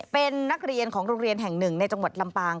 เป็นนักเรียนของโรงเรียนแห่งหนึ่งในจังหวัดลำปาง